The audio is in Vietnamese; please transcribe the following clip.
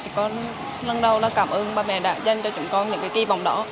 chúng con lần đầu là cảm ơn ba mẹ đã dành cho chúng con những kỳ vọng đó